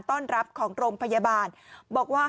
ไม่รู้อะไรกับใคร